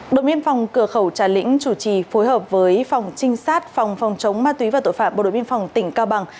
đội biên phòng cửa khẩu trà lĩnh chủ trì phối hợp với phòng trinh sát phòng phòng chống ma túy và tội phạm bộ đội biên phòng tỉnh cao bằng